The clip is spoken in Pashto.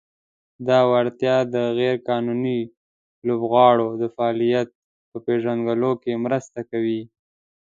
دا وړتیا د "غیر قانوني لوبغاړو د فعالیت" په پېژندلو کې مرسته کوي.